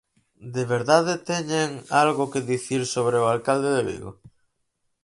¿De verdade teñen algo que dicir sobre o alcalde de Vigo?